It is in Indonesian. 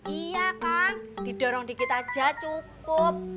iya kan didorong dikit aja cukup